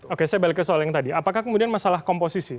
oke saya balik ke soal yang tadi apakah kemudian masalah komposisi